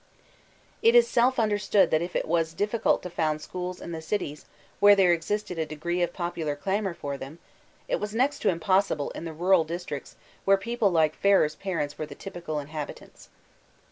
It is self understood that if it was difficult to found schools in the cities where there existed a degree of popu* lar clamor for them, it was next to impossible in the rural districts where people like Ferrer's parents were the typ ical inhabitants.